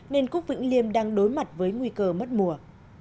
nên cúc vĩnh liêm đang đối mặt với nguy cơ mất mùa